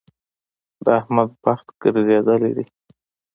د احمد بخت ګرځېدل دی.